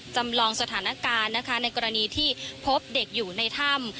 จำลองสถานการณ์นะคะในกรณีที่พบเด็กอยู่ในถ้ำ